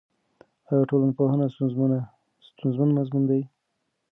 آیا ټولنپوهنه ستونزمن مضمون دی؟